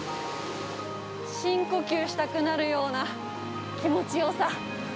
深呼吸したくなるような気持ちよさ。